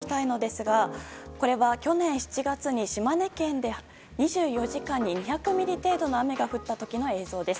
こちらの映像を見ていただきたいんですがこれは去年７月に島根県で２４時間に２００ミリ程度の雨が降った時の映像です。